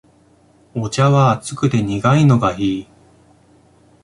お茶は熱くて苦いのがいい